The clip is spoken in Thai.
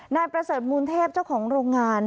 นายประเสริฐมูลเทพเจ้าของโรงงาน